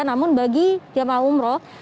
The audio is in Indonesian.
namun bagi jemaah umroh